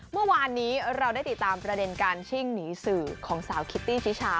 เมื่อวานนี้เราได้ติดตามประเด็นการชิ่งหนีสื่อของสาวคิตตี้ชิชา